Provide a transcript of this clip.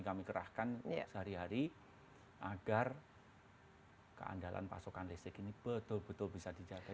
kami kerahkan sehari hari agar keandalan pasokan listrik ini betul betul bisa dijaga